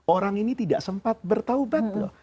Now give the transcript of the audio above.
orang ini tidak sempat bertaubat loh